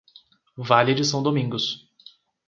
Vale de São Domingos